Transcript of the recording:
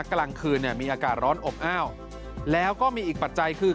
กลางคืนเนี่ยมีอากาศร้อนอบอ้าวแล้วก็มีอีกปัจจัยคือ